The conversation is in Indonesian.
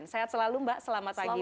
sehat selalu mbak selamat pagi